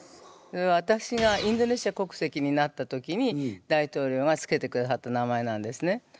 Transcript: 私がインドネシア国籍になった時に大統領がつけてくださった名前なんですね。